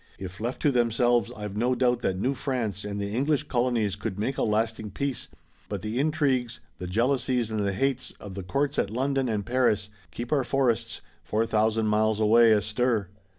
If left to themselves I've no doubt that New France and the English colonies could make a lasting peace, but the intrigues, the jealousies and the hates of the courts at London and Paris keep our forests, four thousand miles away, astir.